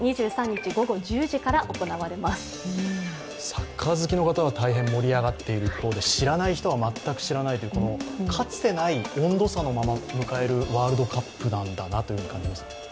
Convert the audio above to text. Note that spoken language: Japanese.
サッカー好きの方は大変盛り上がっている一方で知らない人は全く知らないという、かつてない温度差のまま迎えるワールドカップなんだなというのは感じますね。